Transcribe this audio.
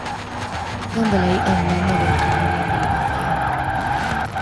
Candale-i Anna magyar királyné dédapja.